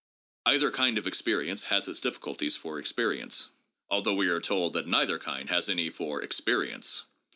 Either kind of experience has its difficulties for experience, although we are told that neither kind has any for Experience.